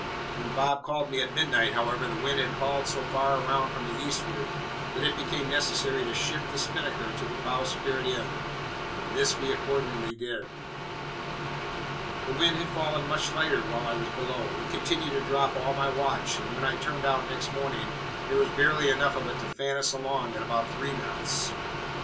When Bob called me at midnight, however, the wind had hauled so far round from the eastward that it became necessary to shift the spinnaker to the bowsprit end; and this we accordingly did. The wind had fallen much lighter while I was below, it continued to drop all my watch, and when I turned out next morning there was barely enough of it to fan us along at about three knots.